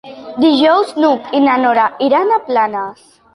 Dijous n'Hug i na Nora iran a Planes.